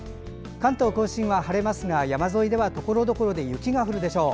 関東・甲信は晴れますが山沿いではところどころで雪が降るでしょう。